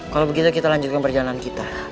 kalau begitu kita lanjutkan perjalanan kita